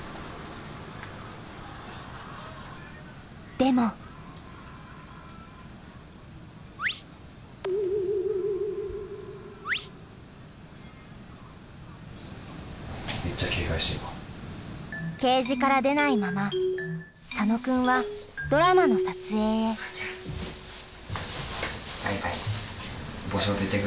でもケージから出ないまま佐野君はドラマの撮影へバイバイ。